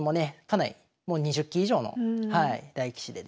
かなりもう２０期以上の大棋士でですね